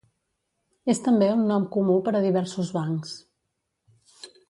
És també un nom comú per a diversos bancs.